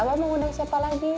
abah mau undang siapa lagi